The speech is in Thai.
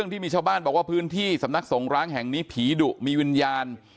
ที่มีชาวบ้านบอกว่าพื้นที่สำนักสงร้างแห่งนี้ผีดุมีวิญญาณ